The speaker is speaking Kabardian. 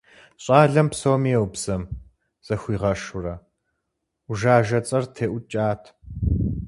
ЩӀалэм псоми еубзэм, захуигъэшурэ, «ӏужажэ» цӀэр теӀукӀат.